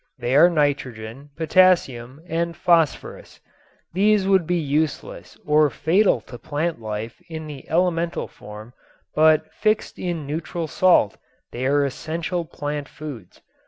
They are nitrogen, potassium and phosphorus. These would be useless or fatal to plant life in the elemental form, but fixed in neutral salt they are essential plant foods.